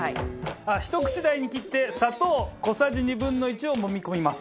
ひと口大に切って砂糖小さじ２分の１をもみ込みます。